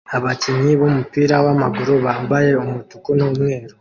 Abakinnyi b'umupira w'amaguru bambaye umutuku n'umweru